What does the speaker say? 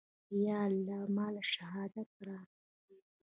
يا الله ما له شهادت راکه.